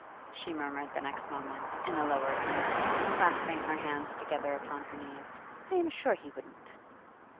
she murmured the next moment, in a lower key, clasping her hands together upon her knees. 'I am sure he wouldn't.